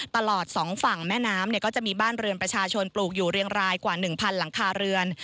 ตลอดสองฝั่งแม่น้ำเนี่ยก็จะมีบ้านเรือนประชาชนปลูกอยู่เรียงรายกว่า๑๐๐หลังคาเรือน